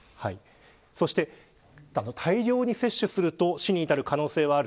そして、大量に摂取すると死に至る可能性がある。